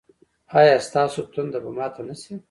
ایا ستاسو تنده به ماته نه شي؟